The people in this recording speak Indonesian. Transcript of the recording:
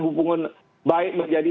hubungan baik menjadi